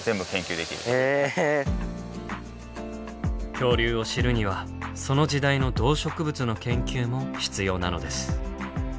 恐竜を知るにはその時代の動植物の研究も必要なのです。